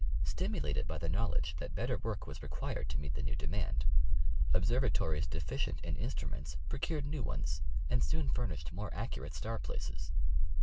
Stimulated by the knowledge that better work was required to meet the new demand, observatories deficient in instruments procured ncAV ones, and soon furnished more accurate star places.